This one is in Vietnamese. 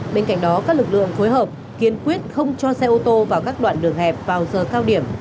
bên cạnh đó các lực lượng phối hợp kiên quyết không cho xe ô tô vào các đoạn đường hẹp vào giờ cao điểm